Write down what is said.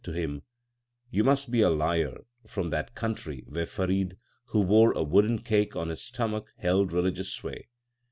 92 THE SIKH RELIGION to him : You must be a liar from that country where Farid, who wore a wooden cake on his stomach, held religious sway.